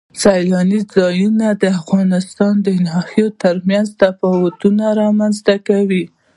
سیلانی ځایونه د افغانستان د ناحیو ترمنځ تفاوتونه رامنځ ته کوي.